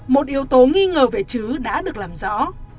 một yếu tố nghi ngờ về chứ đã được làm rõ